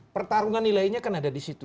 pertarungan nilainya kan ada di situ